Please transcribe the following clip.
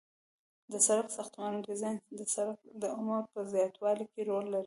د سرک د ساختمانونو ډیزاین د سرک د عمر په زیاتوالي کې رول لري